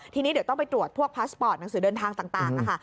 ทีนี้เดี๋ยวต้องไปตรวจพวกพาสปอร์ตหนังสือเดินทางต่างนะคะ